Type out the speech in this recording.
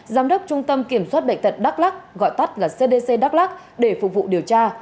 giám đốc trung tâm kiểm soát bệnh tật đắk lắc gọi tắt là cdc đắk lắc để phục vụ điều tra